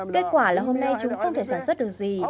kết quả là hôm nay chúng không thể sản xuất được gì